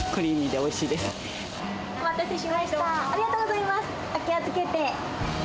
お気をつけて。